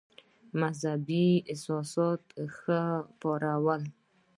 مدهبي احساسات ښه وپارول.